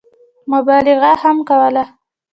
مبالغه هم کوله.